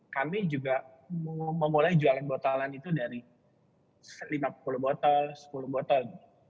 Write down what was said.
kami juga memulai jualan botolan itu dari lima puluh botol sepuluh botol